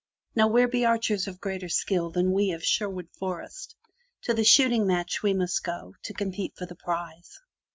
Now where be archers of greater skill than we of Sherwood Forest? To the shooting match we must go to compete for the prize."